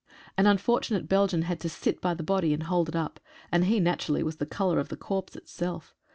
An unfortunate Belgian had to sit by the body and hold it up, and he naturally was the colour of the corpse itself.